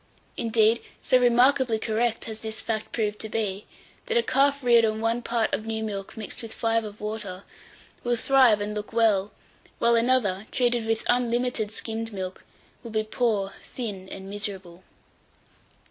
Indeed, so remarkably correct has this fact proved to be, that a calf reared on one part of new milk mixed with five of water, will thrive and look well; while another, treated with unlimited skimmed milk, will be poor, thin, and miserable.